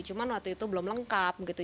cuma waktu itu belum lengkap gitu